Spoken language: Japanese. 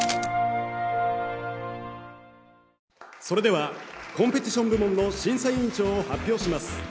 それではコンペティション部門の審査委員長を発表します。